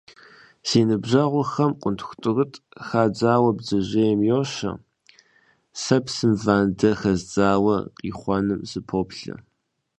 Си ныбжьэгъухэм къунтх тӏурытӏ хадзауэ бдзэжьей йощэ, сэ псым вандэ хэздзауэ, къихъуэнум сыпоплъэ.